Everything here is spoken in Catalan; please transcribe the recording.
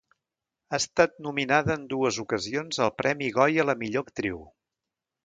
Ha estat nominada en dues ocasions al Premi Goya a la millor actriu.